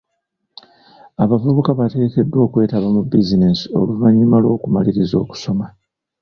Abavubuka bateekeddwa okwetaba mu bizinensi oluvannyuma lw'okumaliriza okusoma.